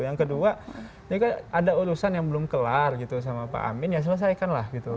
yang kedua ini kan ada urusan yang belum kelar gitu sama pak amin ya selesaikanlah gitu